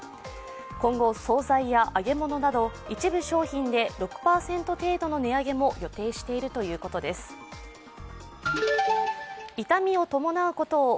今後、総菜や揚げ物など一部商品で６％程度の値上げも予定しているということです。